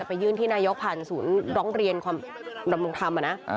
ไปยื่นที่นายกผ่านศูนย์ร้องเรียนความดำรงธรรมนะ